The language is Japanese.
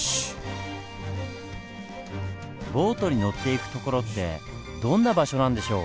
ボートに乗って行く所ってどんな場所なんでしょう？